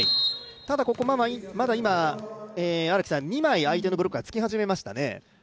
ただ、まだ今、二枚相手のブロックがつき始めましたね。